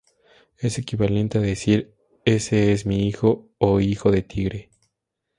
Es equivalente a decir "ese es mi hijo" o "hijo de tigre".